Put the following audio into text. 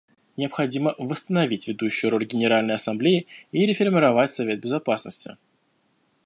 Необходимо восстановить ведущую роль Генеральной Ассамблеи и реформировать Совет Безопасности.